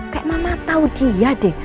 kayak mama tahu dia deh